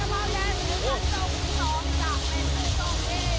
เหมือนอย่างที่เป็นคืนเดียว